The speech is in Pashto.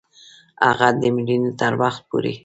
هغه د مړینې تر وخت پوري